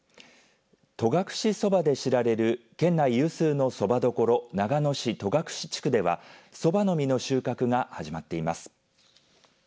戸隠そばで知られる県内有数のそばどころ長野市戸隠地区ではそばの実の収穫が始まっています。